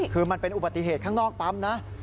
คือมันเป็นอุบัติเหตุข้างนอกปั๊มนะ